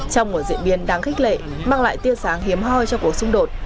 trong một diễn biến đáng khích lệ mang lại tiên sáng hiếm hoi cho cuộc xung đột